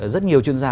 rất nhiều chuyên gia